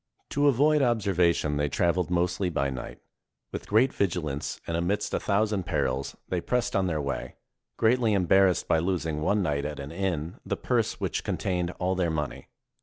To avoid observation, they traveled mostly by night. With great vigilance, and amidst a thousand perils, they pressed on their way, greatly em barrassed by losing one night at an inn the purse which contained all their money.